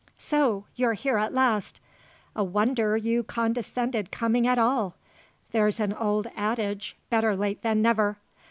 "So you're here at last. A wonder you condescended coming at all! There's an old adage `Better late than never.'